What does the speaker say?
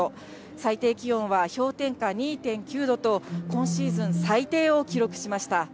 最低気温は氷点下２．９度と、今シーズン最低を記録しました。